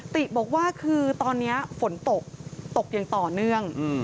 ติบอกว่าคือตอนนี้ฝนตกตกอย่างต่อเนื่อง